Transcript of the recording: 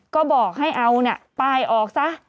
ก็บอกให้เอาป้ายออกซะ